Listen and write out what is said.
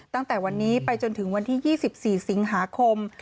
ตั้งแต่วันนี้ไปจนถึงวันที่๒๔สิงหาคม